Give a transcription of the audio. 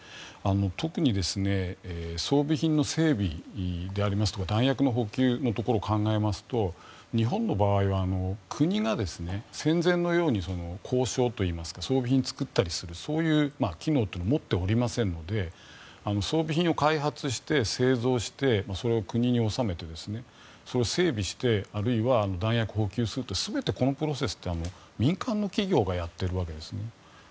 特に装備品の整備でありますとか弾薬の補給を考えますと日本の場合は国が戦前のように工しょうといいますか装備品を作ったりするそういう機能を持っておりませんので装備品を開発して、製造してそれを国に納めて整備してあるいは弾薬を補給するって全てこのプロセスって民間の企業がやっているわけですね。